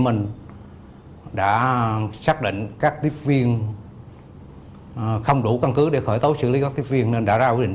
mình đã xác định các tiếp viên không đủ căn cứ để khởi tố xử lý các tiếp viên nên đã ra quy định